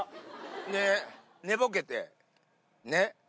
で、寝ぼけて、ねっ？